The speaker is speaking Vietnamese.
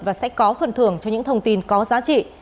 và sẽ có phần thưởng cho những thông tin có giá trị